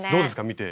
見て。